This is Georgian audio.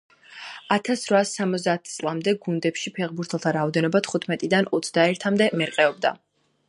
ათას რვაას სამოცდაათი წლამდე გუნდებში ფეხბურთელთა რაოდენობა თხუთმეტიდან- დან ოცდაერთი-მდე მერყეობდა.